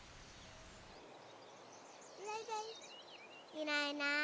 いないいない。